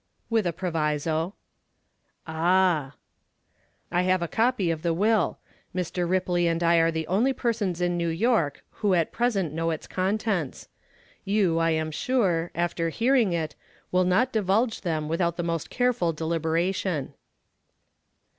"With a proviso." "Ah!" "I have a copy of the will. Mr. Ripley and I are the only persons in New York who at present know its contents. You, I am sure, after hearing it, will not divulge them without the most careful deliberation."